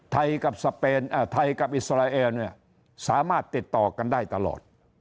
กับสเปนไทยกับอิสราเอลเนี่ยสามารถติดต่อกันได้ตลอด